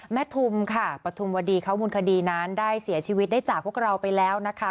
ทุมค่ะปฐุมวดีเขามูลคดีนั้นได้เสียชีวิตได้จากพวกเราไปแล้วนะคะ